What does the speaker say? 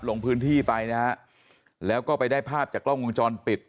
ลงพื้นที่ไปนะฮะแล้วก็ไปได้ภาพจากกล้องวงจรปิด